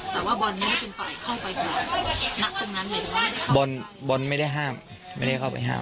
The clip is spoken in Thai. ฝ่ายเข้าไปก่อนนักตรงนั้นบอลบอลไม่ได้ห้ามไม่ได้เข้าไปห้าม